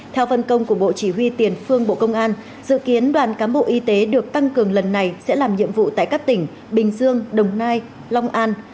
theo phân công của bộ chỉ huy tiền phương bộ công an dự kiến đoàn cán bộ y tế được tăng cường lần này sẽ làm nhiệm vụ tại các tỉnh bình dương đồng nai long an